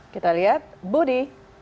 kita lihat budi